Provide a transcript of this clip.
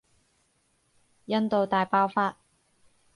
印度大爆發